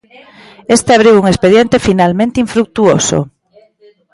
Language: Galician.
Este abriu un expediente finalmente infrutuoso.